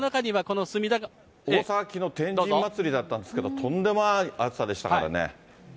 大阪、きのう天神祭りだったんですけど、とんでもない暑さでしたからね。